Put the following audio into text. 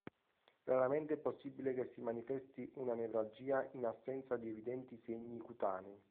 Raramente è possibile che si manifesti una nevralgia in assenza di evidenti segni cutanei.